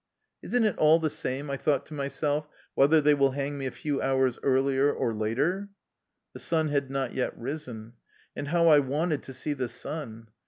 " Is n't it all the same," I thought to myself, " whether they will hang me a few hours earlier or later? " The sun had not yet risen. And how I wanted to see the sun!